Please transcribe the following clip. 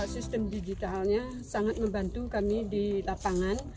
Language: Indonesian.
sistem digitalnya sangat membantu kami di lapangan